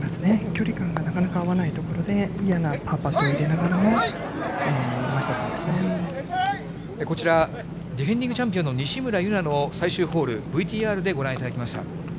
距離感がなかなか合わないところで、嫌なパーパット入れながらも、こちら、ディフェンディングチャンピオンの西村優菜の最終ホール、ＶＴＲでご覧いただきました。